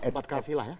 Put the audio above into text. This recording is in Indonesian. empat kafilah ya